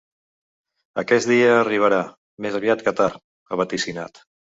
Aquest dia arribarà, més aviat que tard, ha vaticinat.